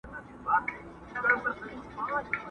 پرېږدی چي موږ هم څو شېبې ووینو،